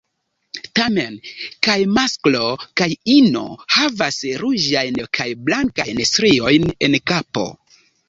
Tamen kaj masklo kaj ino havas ruĝajn kaj blankajn striojn en kapo.